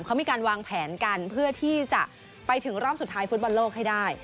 เขามีการวางแผนกันเพื่อที่จะไปถึงรอบสุดท้ายฟุตบอลโลกให้ได้